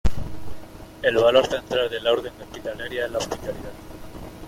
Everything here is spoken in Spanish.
El valor central de la Orden Hospitalaria es la hospitalidad.